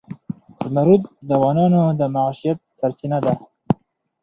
زمرد د افغانانو د معیشت سرچینه ده.